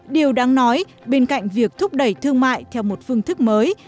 điều đáng nói bên cạnh việc thúc đẩy thương mại theo một phương thức mới